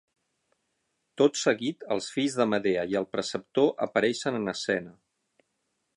Tot seguit, els fills de Medea i el preceptor apareixen en escena.